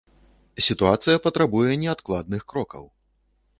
Сітуацыя патрабуе неадкладных крокаў.